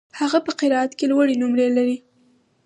هغه په قرائت کي لوړي نمرې لري.